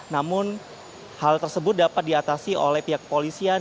namun hal tersebut dapat diatasi oleh pihak kepolisian